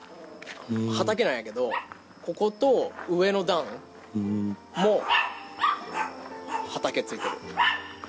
畑なんやけどここと上の段も畑ついてる。